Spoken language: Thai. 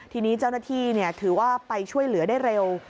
ทีนี้เจ้าหน้าที่ถือว่าไปช่วยเหลือได้เร็ว